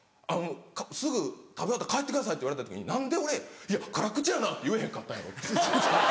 すぐ食べ終わったら帰ってくださいって言われた時何で俺「いや辛口やな！」って言えへんかったんやろう。